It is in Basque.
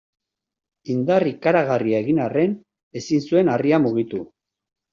Indar ikaragarria egin arren ezin zuen harria mugitu.